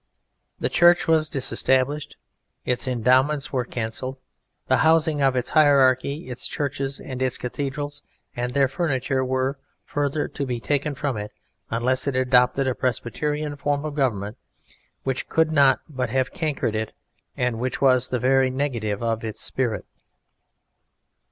The Church was disestablished, its endowments were cancelled, the housing of its hierarchy, its churches and its cathedrals and their furniture were, further, to be taken from it unless it adopted a Presbyterian form of government which could not but have cankered it and which was the very negative of its spirit.